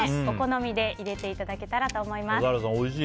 お好みで入れていただけたらと思います。